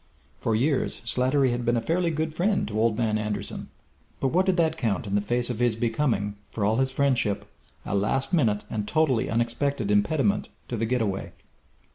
For years Slattery had been a fairly good friend to Old Man Anderson, but what did that count in the face of his becoming, for all his friendship, a last minute and totally unexpected impediment to the get away?